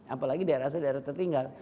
apalagi daerah daerah tertinggal